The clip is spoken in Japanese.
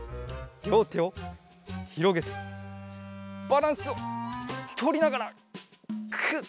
りょうてをひろげてバランスをとりながらくっ！